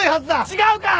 違うか！